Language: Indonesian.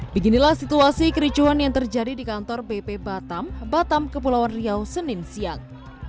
beginilah situasi kericuhan yang terjadi di kantor bp batam batam kepulauan riau senin siang